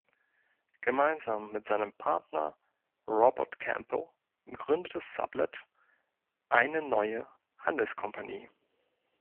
Gemeinsam mit seinem Partner Robert Campbell gründete Sublette eine neue Handelskompanie.